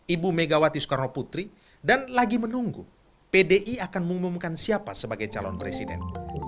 ibu megawati soekarno putri dan lagi menunggu pdi akan mengumumkan siapa sebagai calon presiden